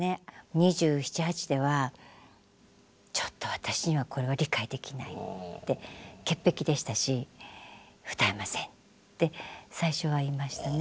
２７２８ではちょっと私にはこれは理解できないって潔癖でしたし「歌えません」って最初は言いましたね。